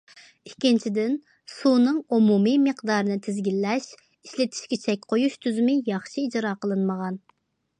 ئىككىنچىدىن، سۇنىڭ ئومۇمىي مىقدارىنى تىزگىنلەش، ئىشلىتىشكە چەك قويۇش تۈزۈمى ياخشى ئىجرا قىلىنمىغان.